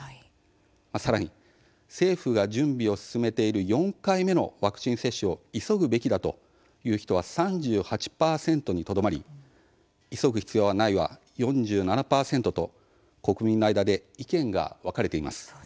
さらに、政府が準備を進めている４回目のワクチン接種を「急ぐべきだ」という人は３８％にとどまり「急ぐ必要はない」は４７％と国民の間で意見が分かれています。